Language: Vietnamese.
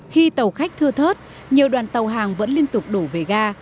khi tàu khách thưa thớt nhiều đoàn tàu hàng vẫn liên tục đổ về ga